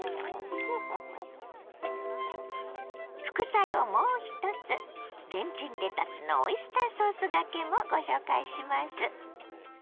副菜をもう１つレンチンレタスのオイスターソースがけもご紹介します。